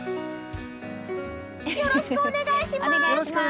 よろしくお願いします！